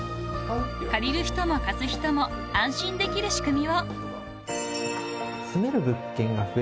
［借りる人も貸す人も安心できる仕組みを］